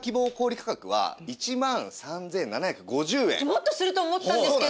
もっとすると思ったんですけど。